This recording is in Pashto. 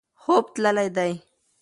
خوب تللی دی.